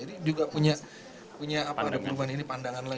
jadi dia juga punya pandangan lagi